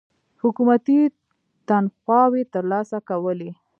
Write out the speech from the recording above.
حکومتي تنخواوې تر لاسه کولې.